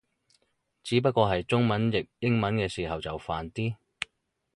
只不過係中文譯英文嘅時候就煩啲